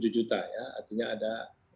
tujuh juta artinya ada